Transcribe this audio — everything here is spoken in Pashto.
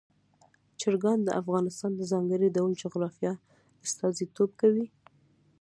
چرګان د افغانستان د ځانګړي ډول جغرافیه استازیتوب کوي.